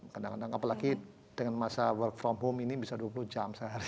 kadang kadang apalagi dengan masa work from home ini bisa dua puluh jam sehari